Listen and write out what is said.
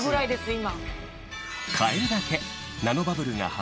今。